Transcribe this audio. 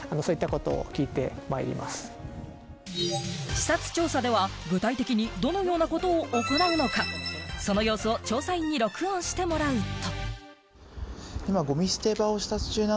視察調査では具体的にどのようなことを行うのか、その様子を調査員に録音してもらうと。